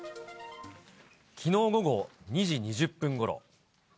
きのう午後２時２０分ごろ。